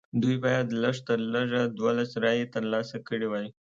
دوی باید لږ تر لږه دولس رایې ترلاسه کړې وای.